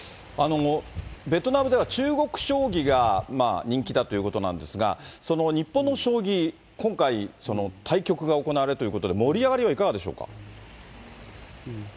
ベトナムでは中国将棋が人気だということなんですが、その日本の将棋、今回、対局が行われるということで、盛り上がりはいかがでしょうか？